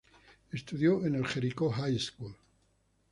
Estudió en el Jericho High School.